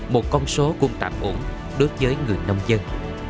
một con số cũng tạm ổn đối với người nông dân